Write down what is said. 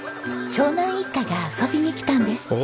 長男一家が遊びに来たんです。